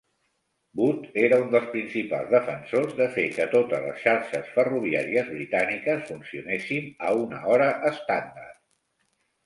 Booth era un dels principals defensors de fer que totes les xarxes ferroviàries britàniques funcionessin a una hora estàndard.